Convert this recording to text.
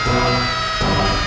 tidak mau berani